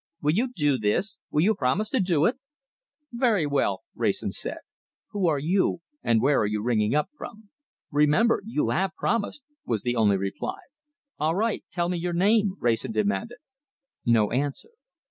Will you do this? Will you promise to do it?" "Very well," Wrayson said. "Who are you, and where are you ringing up from?" "Remember you have promised!" was the only reply. "All right! Tell me your name," Wrayson demanded. No answer.